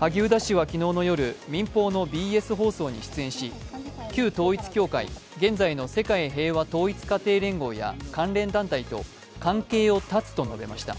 萩生田氏は昨日の夜民放のＢＳ放送に出演し旧統一教会、現在の世界平和統一家庭連合や関連団体と関係を断つと述べました。